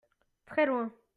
très loin.